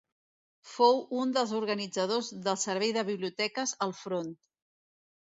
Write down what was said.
Fou un dels organitzadors del Servei de Biblioteques al Front.